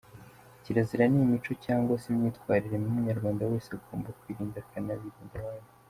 Kirazira ni imico cyangwa se imyitwarire mibi umunyarwanda wese agomba kwirinda akanabirinda abandi.